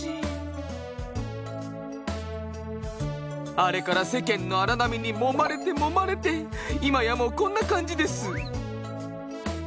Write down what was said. あれから世間の荒波にもまれてもまれて今やもうこんな感じです。